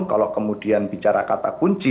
kalau kemudian bicara kata kunci